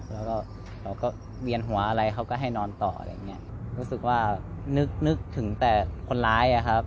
แล้วก็เราก็เวียนหัวอะไรเขาก็ให้นอนต่ออะไรอย่างเงี้ยรู้สึกว่านึกนึกถึงแต่คนร้ายอ่ะครับ